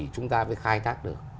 chúng ta phải khai thác được